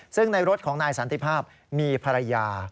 ซึ่งในรถของนายสันติภาพมีภรรยา